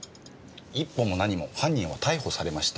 一歩も何も犯人は逮捕されました。